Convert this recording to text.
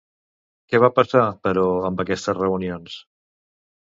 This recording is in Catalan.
Què va passar, però, amb aquestes reunions?